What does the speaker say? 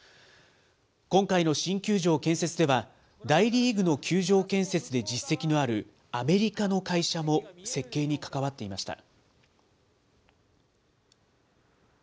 今回の新球場建設では、大リーグの球場建設で実績のあるアメリカの会社も設計に関わっていました。